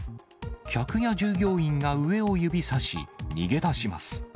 客や従業員が上を指さし、逃げ出します。